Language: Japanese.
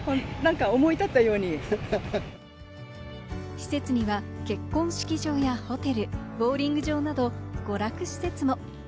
施設には、結婚式場やホテル、ボウリング場など娯楽施設も。